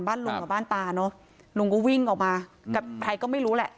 ลุงกับบ้านตาเนอะลุงก็วิ่งออกมากับใครก็ไม่รู้แหละ